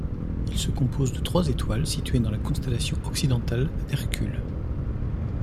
Il se compose de trois étoiles, situées dans la constellation occidentale d'Hercule.